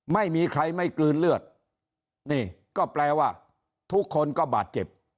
ไม่มีใครไม่กลืนเลือดนี่ก็แปลว่าทุกคนก็บาดเจ็บ